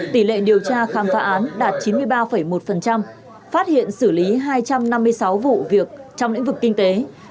tỷ lệ điều tra khám phá án đạt chín mươi ba một phát hiện xử lý hai trăm năm mươi sáu vụ việc trong lĩnh vực kinh tế